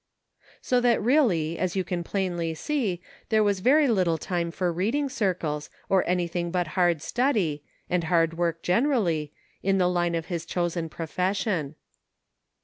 So that really, as you can plainly see, there was very little time for reading circles or anything but hard study, and hard work generally, in the line of his chosen profession.